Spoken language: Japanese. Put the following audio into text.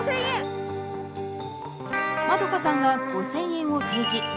まどかさんが５，０００円を提示。